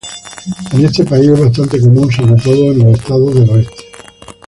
En este país es bastante común, sobre todo en los estados del oeste.